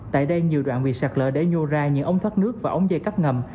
tại đây nhiều đoạn bị sạt lở để nhô ra những ống thoát nước và ống dây cắt ngầm